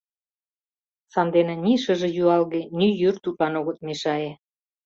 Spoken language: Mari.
Сандене ни шыже юалге, ни йӱр тудлан огыт мешае.